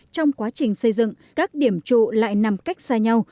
trong quá trình xây dựng các điểm trụ lại nằm cách xa nhau